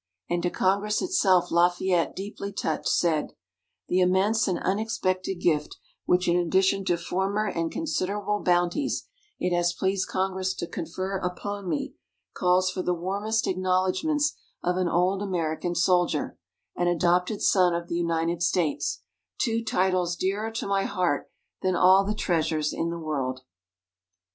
And to Congress itself, Lafayette, deeply touched said: "The immense and unexpected gift which in addition to former and considerable bounties, it has pleased Congress to confer upon me, calls for the warmest acknowledgments of an old American soldier, an adopted son of the United States two titles dearer to my heart than all the treasures in the world."